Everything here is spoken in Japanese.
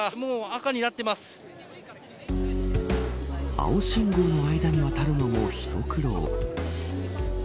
青信号の間に渡るのも一苦労。